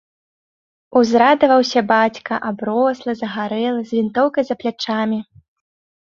Узрадаваўся бацька, аброслы, загарэлы, з вінтоўкай за плячамі.